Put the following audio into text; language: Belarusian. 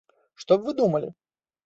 Што б вы думалі?